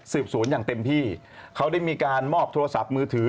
สวนอย่างเต็มที่เขาได้มีการมอบโทรศัพท์มือถือ